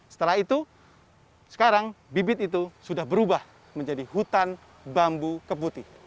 setelah itu sekarang bibit itu sudah berubah menjadi hutan bambu keputih